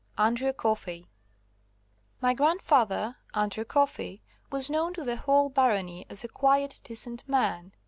Andrew Coffey My grandfather, Andrew Coffey, was known to the whole barony as a quiet, decent man.